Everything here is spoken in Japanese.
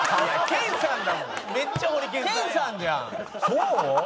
そう？